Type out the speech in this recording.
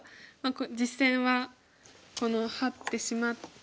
実戦はこのハッてしまって。